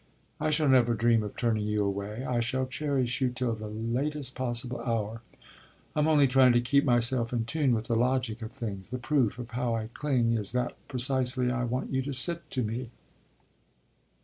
"I shall never dream of turning you away; I shall cherish you till the latest possible hour. I'm only trying to keep myself in tune with the logic of things. The proof of how I cling is that precisely I want you to sit to me."